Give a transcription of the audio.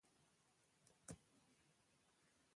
افغانستان د لعل په برخه کې نړیوالو بنسټونو سره کار کوي.